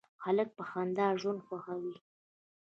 هلک په خندا ژوند خوښوي.